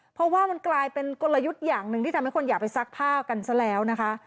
เพราะว่ามันกลายเป็นกลยุทธ์อย่างหนึ่งที่ทำให้คนอยากไปซักผ้ากันซะแล้วนะคะ